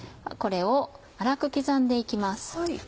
これを粗く刻んで行きます。